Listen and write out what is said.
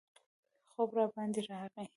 خوب راباندې راغی.